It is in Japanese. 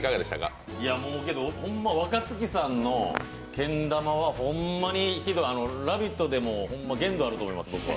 ほんま若槻さんのけん玉は、ほんまにひどい「ラヴィット！」でも限度あると思います、僕は。